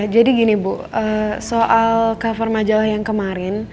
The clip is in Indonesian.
jadi gini bu soal cover majalah yang kemarin